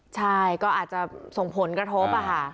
ใช่ก็อาจจะส่งผลกระทบค่ะ